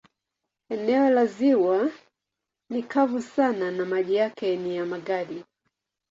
Eneo la ziwa ni kavu sana na maji yake ni ya magadi.